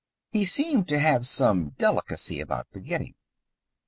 He seemed to have some delicacy about beginning.